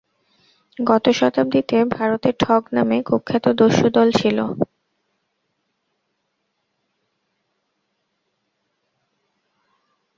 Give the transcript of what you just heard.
গত শতাব্দীতে ভারতে ঠগ নামে কুখ্যাত দস্যুদল ছিল।